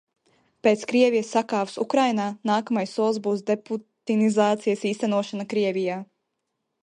Pēc Krievijas sakāves Ukrainā, nākamais solis būs deputinizācijas īstenošana Krievijā.